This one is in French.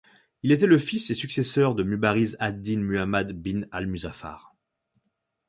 Il était le fils et successeur de Mubâriz ad-Dîn Muhammad bin al-Muzaffar.